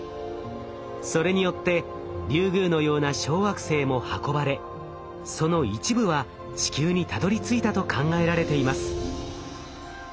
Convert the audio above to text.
それによってリュウグウのような小惑星も運ばれその一部は地球にたどりついたと考えられています。